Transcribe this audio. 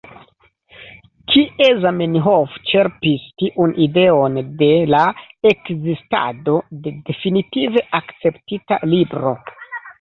Kie Zamenhof ĉerpis tiun ideon de la ekzistado de definitive akceptita Libro?